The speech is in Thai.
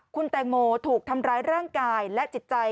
คุณแตงโมถูกทำร้ายร่างกายและจิตใจ